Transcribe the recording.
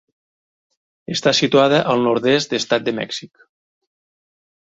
Està situada al nord-est d'Estat de Mèxic.